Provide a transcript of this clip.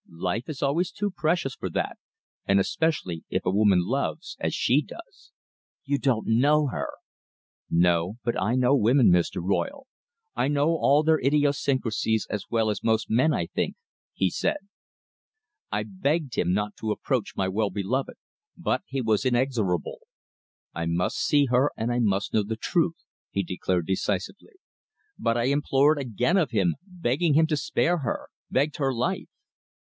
Life is always too precious for that, and especially if a woman loves, as she does." "You don't know her." "No, but I know women, Mr. Royle I know all their idiosyncrasies as well as most men, I think," he said. I begged him not to approach my well beloved, but he was inexorable. "I must see her and I must know the truth," he declared decisively. But I implored again of him, begging him to spare her begged her life.